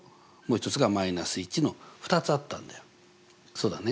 そうだね？